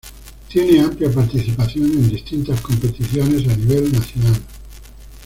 Tiene amplia participación en distintas competiciones a nivel nacional.